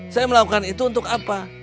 saya melakukan itu untuk apa